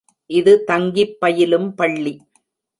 இது தங்கிப் பயிலும் பள்ளி.